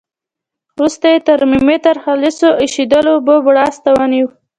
وروسته یې ترمامتر خالصو ایشېدلو اوبو بړاس ته ونیو.